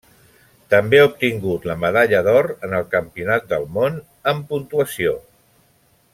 També ha obtingut la medalla d'or en el Campionat del món en Puntuació.